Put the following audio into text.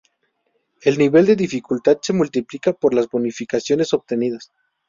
El nivel de dificultad se multiplica por las bonificaciones obtenidas.